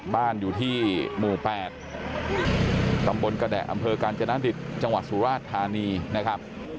บ้านอยู่ที่หมู่๘ตำบลกระแดะอำเภอกาญจนดิตจังหวัดสุราชธานีนะครับ